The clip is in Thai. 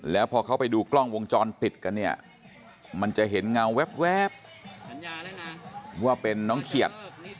แล้วพอเขาไปดูกล้องวงจรปิดกันเนี่ยมันจะเห็นเงาแว๊บว่าเป็นน้องเขียด